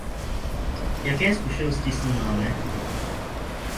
Jaké zkušenosti s ní máme?